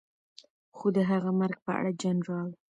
خو د هغه مرګ په اړه جنرال